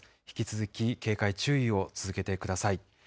引き続き警戒、注意を続けてください。